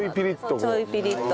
そうちょいピリッと。